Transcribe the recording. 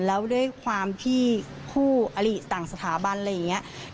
แล้วด้วยความที่คู่อลิต่างสถาบันอะไรอย่างนี้